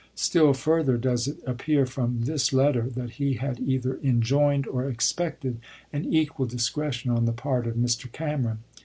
Still further does it ap pear from this letter that he had either enjoined or expected an equal discretion on the part of Mr. Cameron.